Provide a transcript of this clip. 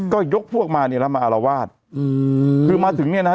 ก็ยกพวกมาเนี่ยแล้วมาอารวาสอืมคือมาถึงเนี่ยนะฮะ